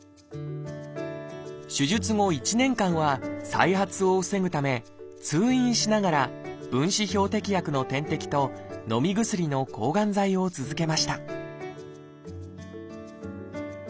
手術後１年間は再発を防ぐため通院しながら分子標的薬の点滴とのみ薬の抗がん剤を続けました